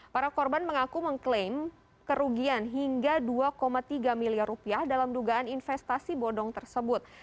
para korban mengaku mengklaim kerugian hingga dua tiga miliar rupiah dalam dugaan investasi bodong tersebut